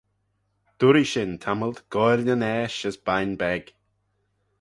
Duirree shin tammylt goaill nyn aash as bine beg.